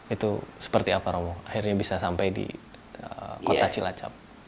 itu seperti apa romo akhirnya bisa sampai di kota cilacap